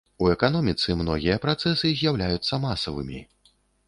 У эканоміцы многія працэсы з'яўляюцца масавымі.